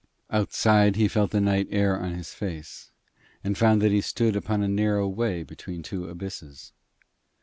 Outside he felt the night air on his face, and found that he stood upon a narrow way between two abysses.